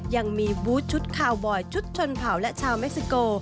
ยังมีบูธชุดคาวบอยชุดชนเผาและชาวเม็กซิโก